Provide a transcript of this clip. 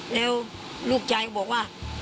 แล้วลูกชายก็บอกว่า